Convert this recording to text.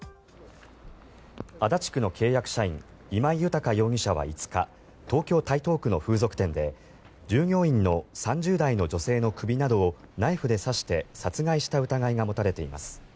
足立区の契約社員今井裕容疑者は５日東京・台東区の風俗店で従業員の３０代の女性の首などをナイフで刺して殺害した疑いが持たれています。